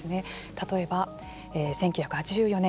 例えば、１９８４年。